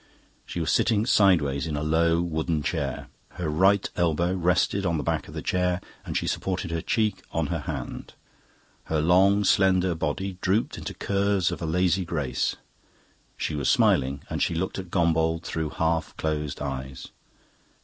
She was sitting sideways in a low, wooden chair. Her right elbow rested on the back of the chair and she supported her cheek on her hand. Her long, slender body drooped into curves of a lazy grace. She was smiling, and she looked at Gombauld through half closed eyes.